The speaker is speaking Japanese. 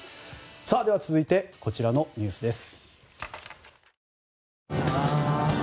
では続いてこちらのニュースです。